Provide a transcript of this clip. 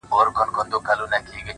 • سپينه خولگۍ راپسي مه ږغوه،